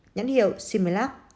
nhãn hiệu similac